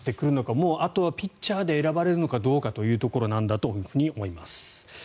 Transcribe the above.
もうあとはピッチャーで選ばれるかどうかというところなんだと思います。